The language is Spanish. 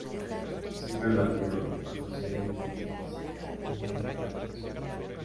Siempre lo admiró y reconocía la influencia artística e intelectual en su vida.